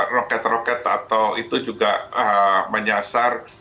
roket roket atau itu juga menyasar